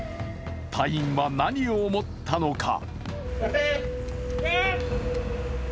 隊員は何を思ったのか。